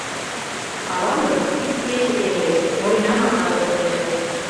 Авам гын йӱд-кече пеҥеш: Оринамак налыктынеже.